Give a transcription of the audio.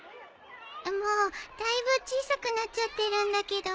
もうだいぶ小さくなっちゃってるんだけど。